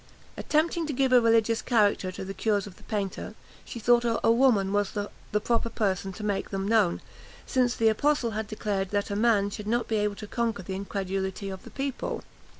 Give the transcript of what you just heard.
Attempting to give a religious character to the cures of the painter, she thought a woman was the proper person to make them known, since the apostle had declared that a man should not be able to conquer the incredulity of the people.